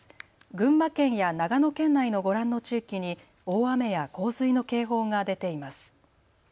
群馬県や長野県内のご覧の地域に大雨や洪水の警報が出ています。